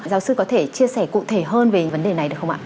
giáo sư có thể chia sẻ cụ thể hơn về vấn đề này được không ạ